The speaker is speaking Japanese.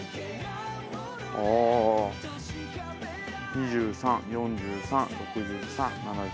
２３４３６３７３。